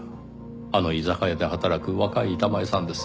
あの居酒屋で働く若い板前さんです。